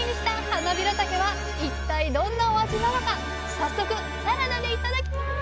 早速サラダでいただきます！